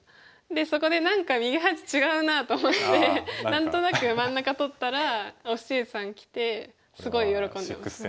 でそこで何か右端違うなと思って何となく真ん中取ったら於之瑩さんがきてすごい喜んでました。